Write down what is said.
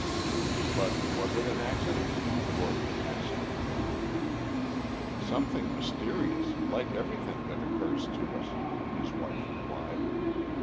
"But was it an accident?" Geoffrey asked. "Something mysterious, like everything that occurs to us," his wife replied.